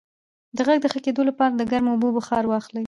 د غږ د ښه کیدو لپاره د ګرمو اوبو بخار واخلئ